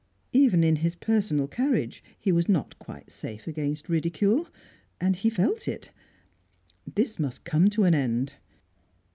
Even in his personal carriage, he was not quite safe against ridicule; and he felt it. This must come to an end.